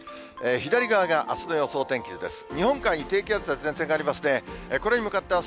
左側があすの予想天気図です。